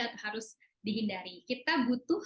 yang harus dihindari kita butuh